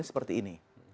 ini seperti ini